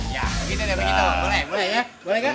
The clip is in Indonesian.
ya gini deh begitu boleh ya boleh kan